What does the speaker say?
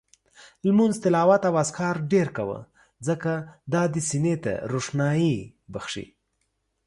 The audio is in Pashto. لمونځ، تلاوت او اذکار ډېر کوه، ځکه دا دې سینې ته روښاني بخښي